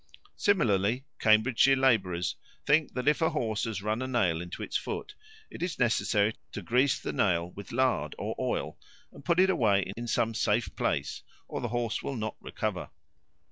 Similarly Cambridgeshire labourers think that if a horse has run a nail into its foot, it is necessary to grease the nail with lard or oil and put it away in some safe place, or the horse will not recover.